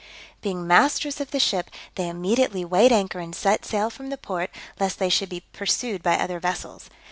Being masters of the ship, they immediately weighed anchor and set sail from the port, lest they should be pursued by other vessels.